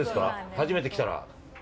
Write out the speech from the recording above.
初めて来たら。